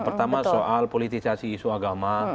pertama soal politisasi isu agama